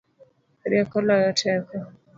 Rieko loyo teko